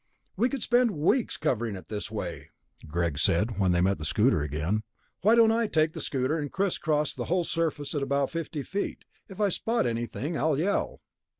"We could spend weeks covering it this way," Greg said when they met at the scooter again. "Why don't I take the scooter and criss cross the whole surface at about fifty feet? If I spot anything, I'll yell."